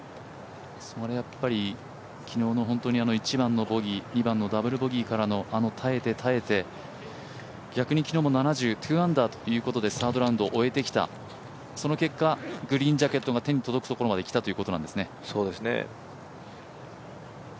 昨日の１番のボギー、２番のダブルボギーからのあの耐えて、耐えて、逆に昨日も７０、２アンダーということでサードラウンドを終えてきた、その結果グリーンジャケットが手に届くところまで来たということなんですね。